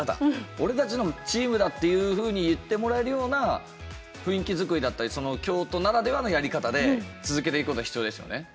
「俺たちのチームだ」っていうふうに言ってもらえるような雰囲気作りだったり京都ならではのやり方で続けていくことが必要ですよね。